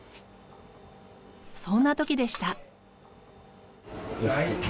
そんなときでした。